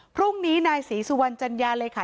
พรุ่งนี้นายศรีสุวรรณจัญญาเลยค่ะ